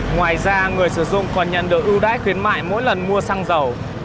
ngoài ra người sử dụng còn nhận được ưu đáy khuyến mại mỗi lần mua săng dầu